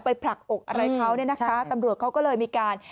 ไปปรักอกอะไรเขาตำรวจเขาก็เลยมีการ